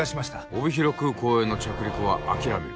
帯広空港への着陸は諦める。